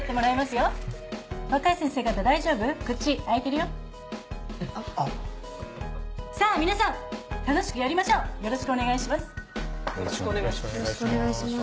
よろしくお願いします。